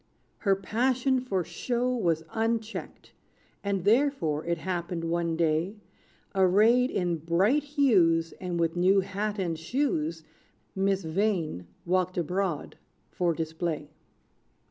Her passion for show was unchecked; And therefore, it happened one day, Arrayed in bright hues, And with new hat and shoes, Miss Vain walked abroad for display.